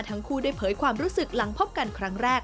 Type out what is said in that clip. ทั้งคู่ได้เผยความรู้สึกหลังพบกันครั้งแรก